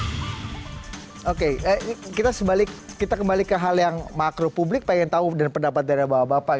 hai oke kita sebalik kita kembali ke hal yang makro publik pengen tahu dan pendapat dari bapak